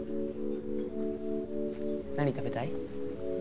何食べたい？